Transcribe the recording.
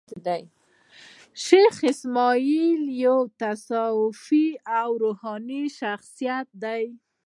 شېخ اسماعیل یو متصوف او روحاني شخصیت دﺉ.